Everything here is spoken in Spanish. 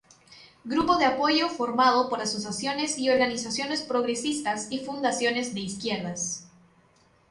Grupo de apoyo formado por asociaciones y organizaciones progresistas y fundaciones de izquierdas.